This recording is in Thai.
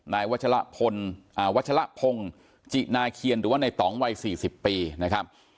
นายวัชละวัชละพงศ์จินาเคียนหรือว่าในต่องวัย๔๐ปีนะครับ